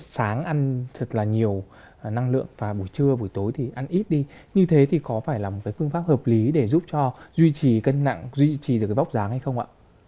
sáng ăn thật là nhiều năng lượng và buổi trưa buổi tối thì ăn ít đi như thế thì có phải là một cái phương pháp hợp lý để giúp cho duy trì cân nặng duy trì được cái bóc dáng hay không ạ